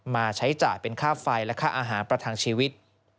มาใช้จ่ายเป็นค่าไฟและค่าอาหารประทังชีวิต